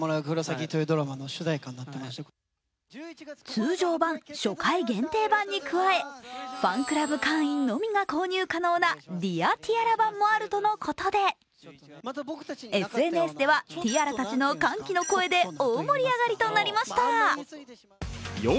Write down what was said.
通常版、初回限定版に加えファンクラブ会員のみが購入可能なＤｅａｒＴｉａｒａ盤もあるとのことで、ＳＮＳではティアラたちの歓喜の声で大盛り上がりとなりました。